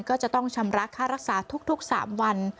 ก็จะต้องชำระค่ารักษาทุก๓วัน